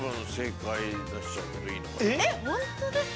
えっ本当ですか？